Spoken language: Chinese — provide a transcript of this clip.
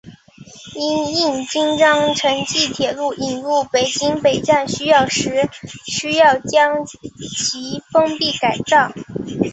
因应京张城际铁路引入北京北站需要时需要将其封闭改造。